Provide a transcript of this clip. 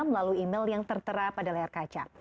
melalui email yang tertera pada layar kaca